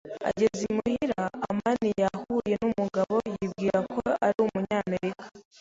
Ageze imuhira, amani yahuye numugabo yibwiraga ko ari umunyamerika.